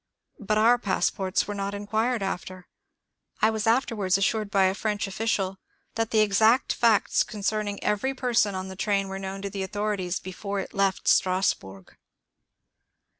But our passports were not inquired after. I was afterwards assured by a French official that the exact facts concerning every person on the train were known to the authorities before it left Stras burg.